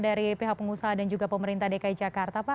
dari pihak pengusaha dan juga pemerintah dki jakarta pak